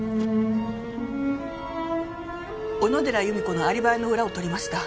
小野寺由美子のアリバイの裏を取りました。